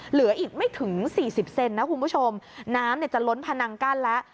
เหลืออีกไม่ถึงสี่สิบเซนนะคุณผู้ชมน้ำเนี่ยจะล้นพนังกั้นแล้ว